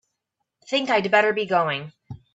Think I'd better be going.